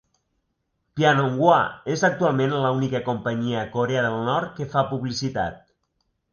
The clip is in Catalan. Pyeonghwa és actualment l"única companyia a Corea del Nord que fa publicitat.